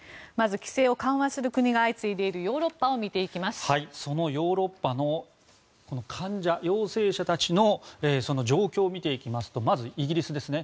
まず規制を緩和する国が相次いでいるそのヨーロッパの患者陽性者たちの状況を見ていきますとまず、イギリス。